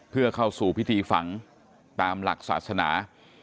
เพื่อเข้าสู่พิธีฝังตามหลักศาสนา